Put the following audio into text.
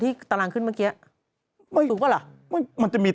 ที่ตารางขึ้นเมื่อกี้